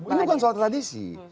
ini bukan soal tradisi